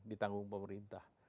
di tanggung pemerintah